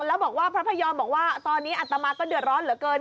แล้วบอกว่าพระพยอมบอกว่าตอนนี้อัตมาก็เดือดร้อนเหลือเกิน